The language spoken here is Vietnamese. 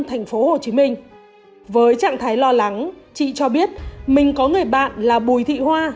thành phố hồ chí minh với trạng thái lo lắng chị cho biết mình có người bạn là bùi thị hoa